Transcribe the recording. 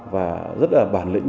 và rất là bản lĩnh